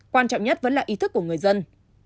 quan trọng nhất vẫn là ý thức của người dân